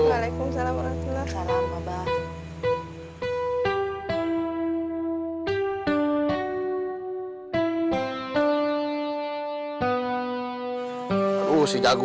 waalaikumsalam warahmatullahi wabarakatuh